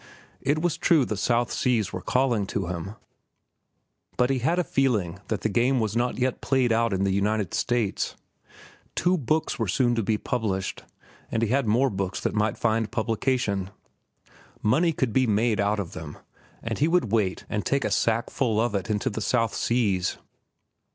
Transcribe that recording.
It was true the South Seas were calling to him, but he had a feeling that the game was not yet played out in the United States. Two books were soon to be published, and he had more books that might find publication. Money could be made out of them, and he would wait and take a sackful of it into the South Seas.